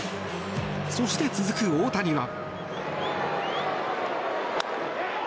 そして、続く大谷は。